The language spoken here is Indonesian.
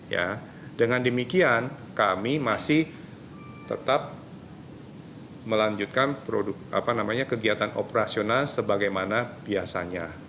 ya dengan demikian kami masih tetap melanjutkan produk apa namanya kegiatan operasional sebagaimana biasanya